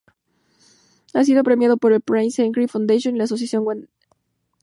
Ha sido premiado por el Prince Henrik Foundation y la Sociedad Wagneriana Danesa.